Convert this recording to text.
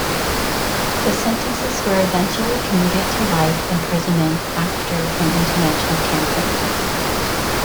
The sentences were eventually commuted to life imprisonment after an international campaign.